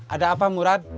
ada apa murad